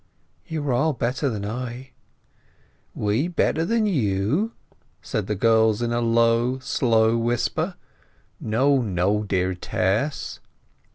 "You are all better than I." "We better than you?" said the girls in a low, slow whisper. "No, no, dear Tess!"